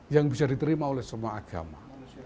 yang bisa diterima oleh semua agama